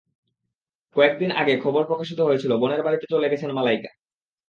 কয়েক দিন আগে খবর প্রকাশিত হয়েছিল বোনের বাড়িতে চলে গেছেন মালাইকা।